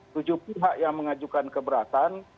tujuh pihak yang mengajukan keberatan